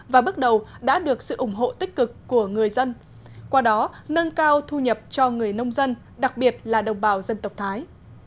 và bước đầu đã được sự ủng hộ tích cực của người dân qua đó nâng cao thu nhập cho người nông dân đặc biệt là đồng bào dân tộc thái